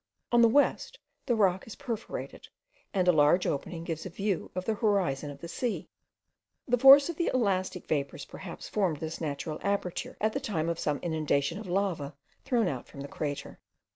On the west the rock is perforated; and a large opening gives a view of the horizon of the sea. The force of the elastic vapours perhaps formed this natural aperture, at the time of some inundation of lava thrown out from the crater.